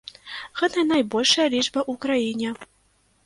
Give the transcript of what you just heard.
Гэта найбольшая лічба ў краіне.